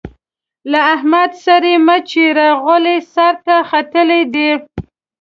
له احمد سره يې مه چېړه؛ غول يې سر ته ختلي دي.